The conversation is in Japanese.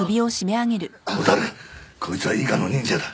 蛍こいつは伊賀の忍者だ。